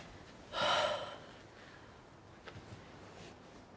はあ。